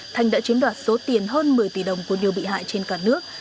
thanh đã chiếm đoạt số tiền hơn một mươi tỷ đồng của nhiều bị hại trên cả nước